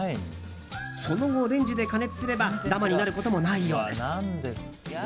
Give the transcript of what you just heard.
その後、レンジで加熱すればダマになることもないようです。